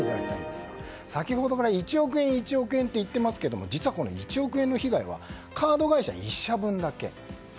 先ほどから１億円、１億円って言っていますけれど実は、１億円の被害はカード会社１社分だけ。